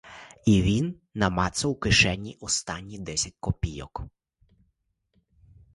І він намацав у кишені останні десять копійок.